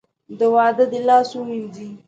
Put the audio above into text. د واده دې لاس ووېنځي .